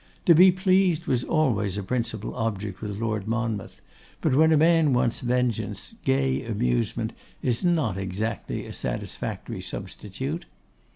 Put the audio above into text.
To be pleased was always a principal object with Lord Monmouth; but when a man wants vengeance, gay amusement is not exactly a satisfactory substitute.